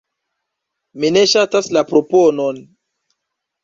Mi ne ŝatas la proponon.